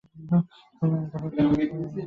উদয়াদিত্যের তখন অধিক কথা কহিবার মত ভাব নহে।